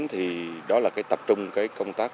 thì đó là cái tập trung cái công tác